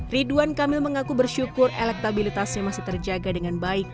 ridwan kamil mengaku bersyukur elektabilitasnya masih terjaga dengan baik